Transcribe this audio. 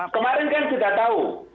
kemarin kan kita tahu